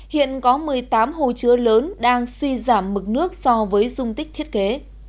hiện có một mươi tám hồ chứa lớn đang suy giảm mực nước so với dung tích thiết kế